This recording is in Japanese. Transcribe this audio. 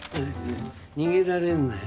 逃げられるなよ。